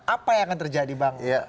apa yang akan terjadi bang